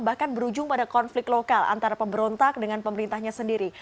bahkan berujung pada konflik lokal antara pemberontak dengan pemerintahnya sendiri